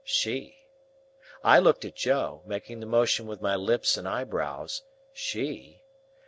She? I looked at Joe, making the motion with my lips and eyebrows, "She?"